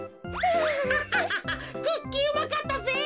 クッキーうまかったぜ。